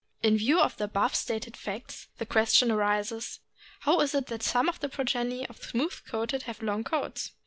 In view of the above stated facts, the question arises, How is it that some of the progeny of smooth coats have long coats?